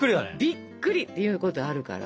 びっくりっていうことあるから。